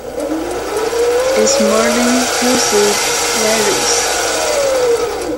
Its modern usage varies.